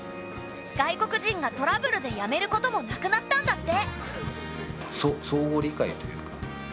外国人がトラブルで辞めることもなくなったんだって。